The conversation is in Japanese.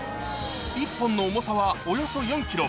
１本の重さはおよそ４キロ。